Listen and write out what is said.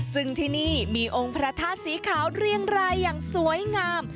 ซึ่งที่นี่มีองค์พระธาตุสีขาวเรียงรายอย่างสวยงาม